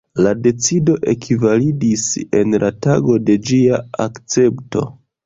La decido ekvalidis en la tago de ĝia akcepto.